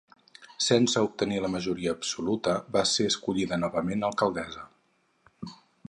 Sense obtenir la majoria absoluta va ser escollida novament alcaldessa.